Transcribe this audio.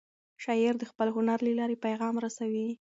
شاعر د خپل هنر له لارې پیغام رسوي.